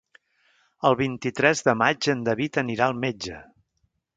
El vint-i-tres de maig en David anirà al metge.